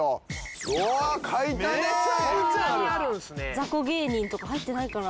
ザコ芸人とか入ってないかな。